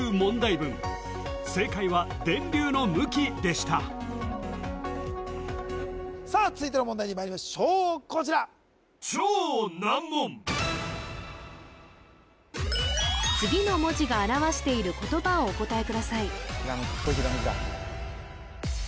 文正解は電流の向きでしたさあ続いての問題にまいりましょうこちら次の文字が表している言葉をお答えください